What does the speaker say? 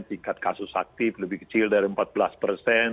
tingkat kasus aktif lebih kecil dari empat belas persen